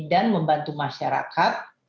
dan membantu masyarakat